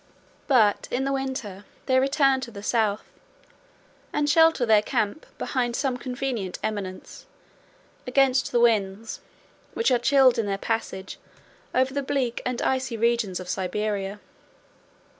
But in the winter, they return to the South, and shelter their camp, behind some convenient eminence, against the winds, which are chilled in their passage over the bleak and icy regions of Siberia.